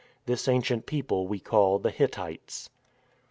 This ancient people we call the Hittites.